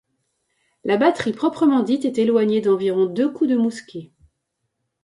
La batterie proprement dite est éloignée d'environ deux coups de mousquet.